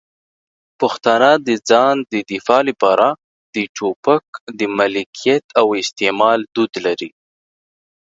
پښتانه د ځان د دفاع لپاره د ټوپک د ملکیت او استعمال دود لري.